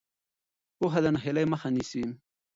پوهه د ناهیلۍ مخه نیسي.